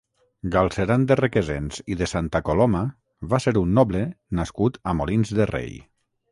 Galceran de Requesens i de Santacoloma va ser un noble nascut a Molins de Rei.